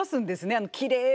あのきれいな。